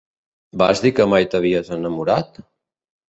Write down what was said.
Vas dir que mai t'havies enamorat?